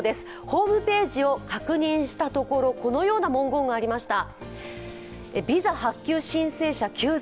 ホームページを確認したところこのような文言がありました。